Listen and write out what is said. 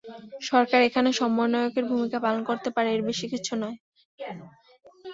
সরকার এখানে সমন্বয়কের ভূমিকা পালন করতে পারে, এর বেশি কিছু নয়।